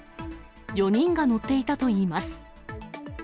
４人が乗っていたといいます。